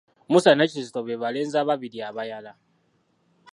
Musa ne Kizito be balenzi ababiri abayala.